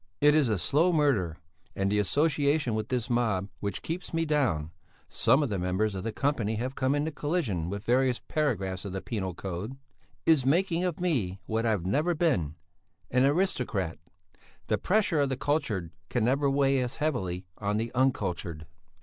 "It is slow murder, and the association with this mob which keeps me down some of the members of the company have come into collision with various paragraphs of the penal code is making of me what I've never been, an aristocrat. The pressure of the cultured can never weigh as heavily on the uncultured.